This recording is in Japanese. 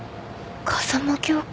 風間教官？